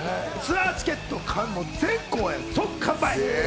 ツアーチケットは全公演即完売。